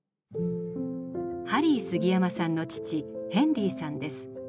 ハリー杉山さんの父ヘンリーさんです。